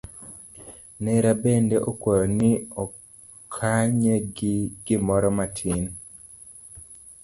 Nera bende okwaya ni akonye gi gimoro matin.